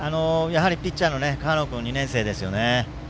ピッチャーの河野君は２年生ですよね。